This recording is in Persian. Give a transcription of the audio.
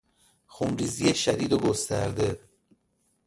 خونریزی شدید و گسترده